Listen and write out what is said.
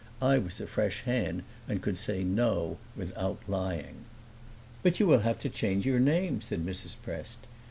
I was a fresh hand and could say no without lying. "But you will have to change your name," said Mrs. Prest.